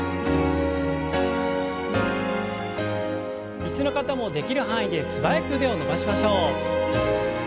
椅子の方もできる範囲で素早く腕を伸ばしましょう。